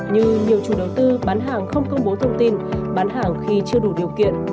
như nhiều chủ đầu tư bán hàng không công bố thông tin bán hàng khi chưa đủ điều kiện